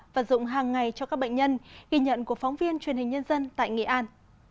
và dụng hàng ngày cho các bệnh nhân ghi nhận của phóng viên truyền hình nhân dân tại nghệ an